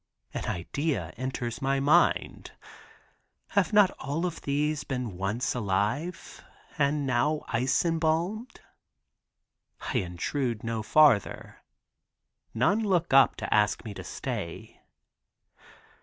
An idea enters my mind. Have not all these been once alive, and now ice embalmed? I intrude no farther. None look up to ask me to stay.